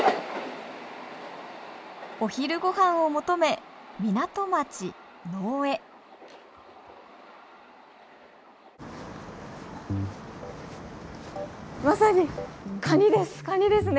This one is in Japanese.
お昼ごはんを求め港町能生へまさにカニですカニですね。